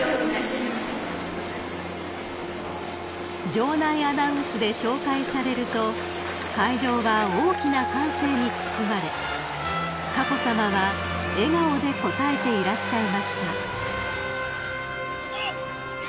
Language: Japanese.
［場内アナウンスで紹介されると会場は大きな歓声に包まれ佳子さまは笑顔で応えていらっしゃいました］